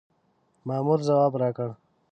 مامور ځواب راکړ.